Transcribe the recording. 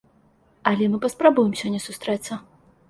Але мы паспрабуем сёння сустрэцца.